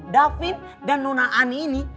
davin dan nona ani ini